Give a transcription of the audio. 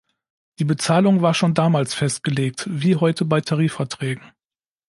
Die Bezahlung war schon damals festgelegt, wie heute bei Tarifverträgen.